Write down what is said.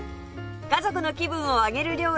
家族の気分を上げる料理